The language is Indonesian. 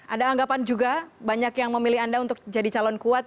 ada anggapan juga banyak yang memilih anda untuk jadi calon kuat